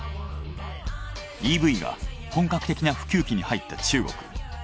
ＥＶが本格的な普及期に入った中国。